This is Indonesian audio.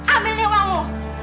ambil nih uangmu